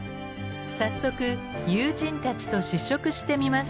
早速友人たちと試食してみます。